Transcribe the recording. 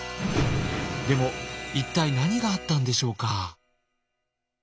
でも一体何があったんでしょうか？